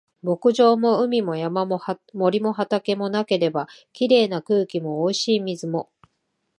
牧場も海も山も森も畑もなければ、綺麗な空気も美味しい水も